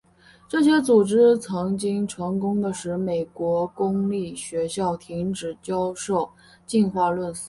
这些组织曾经成功地使美国公立学校停止教授进化论思想。